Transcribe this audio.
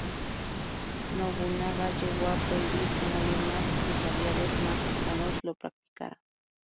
Nobunaga llegó a prohibir que nadie más que sus aliados más cercanos lo practicara.